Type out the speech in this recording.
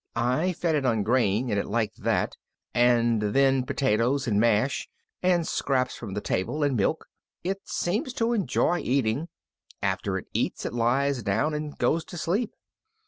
I fed it on grain and it liked that. And then potatoes, and mash, and scraps from the table, and milk. It seems to enjoy eating. After it eats it lies down and goes to sleep."